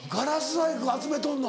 細工集めとんの。